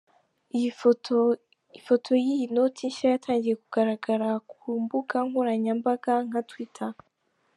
Ifoto y’iyi noti nshya yatangiye kugaragara ku mbuga nkoranyambaga nka “Twitter”.